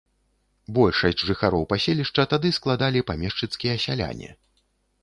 Большасць жыхароў паселішча тады складалі памешчыцкія сяляне.